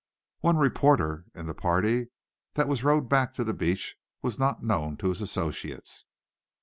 One "reporter" in the party that was rowed back to the beach was not known to his associates.